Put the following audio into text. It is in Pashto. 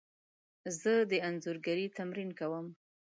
زه د انځورګري تمرین کوم.